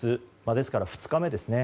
ですから２日目ですね。